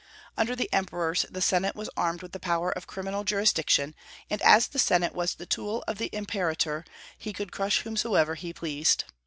Under the emperors, the senate was armed with the power of criminal jurisdiction; and as the senate was the tool of the imperator, he could crush whomsoever he pleased.